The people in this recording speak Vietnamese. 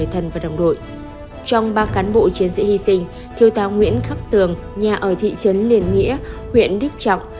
trong ba cán bộ chiến sĩ hy sinh thiếu tá nguyễn khắc tường nhà ở thị trấn liên nghĩa huyện đức trọng